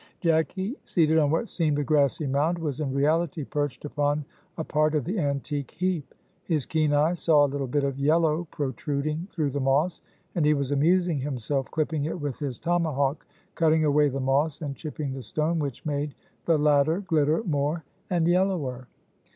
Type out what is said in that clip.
Jacky, seated on what seemed a grassy mound, was in reality perched upon a part of the antique heap; his keen eye saw a little bit of yellow protruding through the moss, and he was amusing himself clipping it with his tomahawk, cutting away the moss and chipping the stone, which made the latter glitter more and yellower.